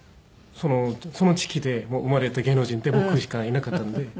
その地域で生まれた芸能人って僕しかいなかったんで。